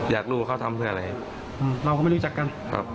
อยากรู้ว่าเขาทำเพื่ออะไรเราก็ไม่รู้จักกันครับ